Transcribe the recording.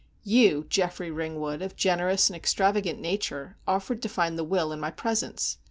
You, Geoffrey Ringwood, of generous and extravagant nature, offered to find the will in my presence.